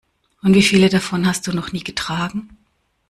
Und wie viele davon hast du noch nie getragen?